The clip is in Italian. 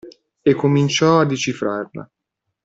E cominciò a decifrarla.